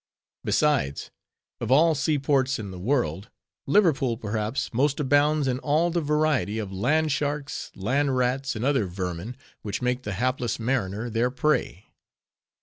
Besides, of all sea ports in the world, Liverpool, perhaps, most abounds in all the variety of land sharks, land rats, and other vermin, which make the hapless mariner their prey.